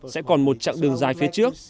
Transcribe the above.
sẽ còn một chặng đường dài phía trước